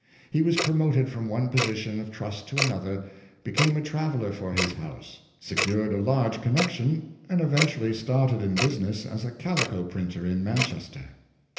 He was promoted from one position of trust to another, became a traveler for his house, secured a large con nection, and eventually started in business as a calico printer at Manchester.